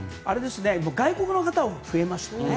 外国の方は増えましたね。